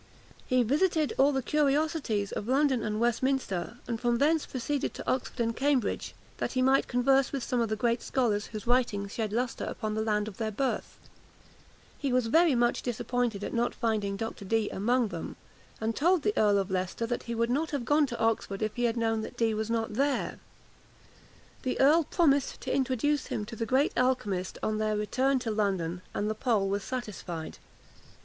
He visited all the curiosities of London and Westminster, and from thence proceeded to Oxford and Cambridge, that he might converse with some of the great scholars whose writings shed lustre upon the land of their birth. He was very much disappointed at not finding Dr. Dee among them, and told the Earl of Leicester that he would not have gone to Oxford if he had known that Dee was not there. The earl promised to introduce him to the great alchymist on their return to London, and the Pole was satisfied.